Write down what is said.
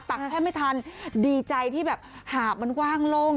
แทบไม่ทันดีใจที่แบบหาบมันกว้างโล่ง